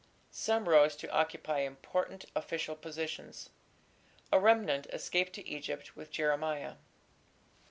Some rose to occupy important official positions. A remnant escaped to Egypt with Jeremiah.